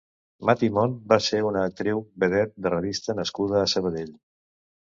Maty Mont va ser una actriu, vedet de revista nascuda a Sabadell.